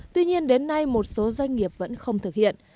tuy nhiên đến nay một số doanh nghiệp vẫn không thực hiện